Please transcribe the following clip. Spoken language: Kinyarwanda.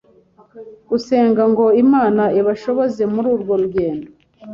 gusenga ngo Imana ibashoboze muri urwo rugendo